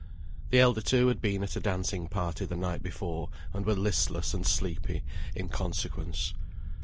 The elder two had been at a dancing party the night before, and were listless and sleepy in consequence.